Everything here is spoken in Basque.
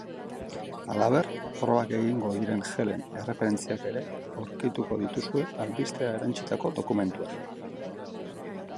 Halaber, probak egingo diren gelen erreferentziak ere aurkitu dituzue albistera erantsitako dokumentuan.